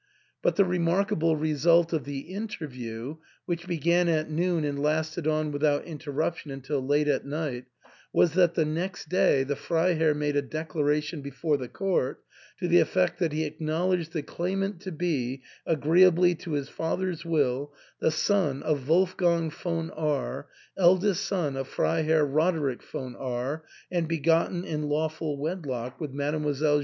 But the remarkable result of the interview, which began at noon and lasted on without interruption until late at night, was that the next day the Freiherr made a declaration before the court to the effect that he acknowledged the claimant to be, agreea bly to his father's will, the son of Wolfgang von R ^ eldest son of Freiherr Roderick von R , and begot ten in lawful wedlock with Mdlle.